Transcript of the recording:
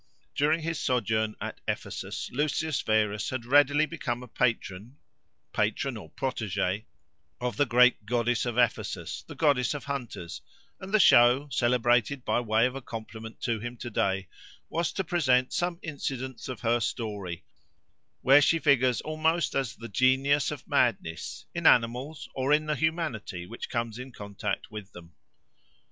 During his sojourn at Ephesus, Lucius Verus had readily become a patron, patron or protégé, of the great goddess of Ephesus, the goddess of hunters; and the show, celebrated by way of a compliment to him to day, was to present some incidents of her story, where she figures almost as the genius of madness, in animals, or in the humanity which comes in contact with them.